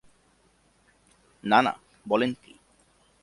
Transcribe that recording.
না না, বলেন কী।